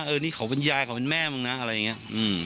เออนี่เขาเป็นยายเขาเป็นแม่มึงนะอะไรอย่างนี้